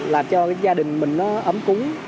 làm cho gia đình mình nó ấm cúng